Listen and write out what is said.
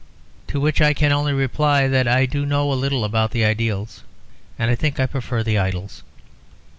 To which I can only reply that I do know a little about the ideals, and I think I prefer the idols.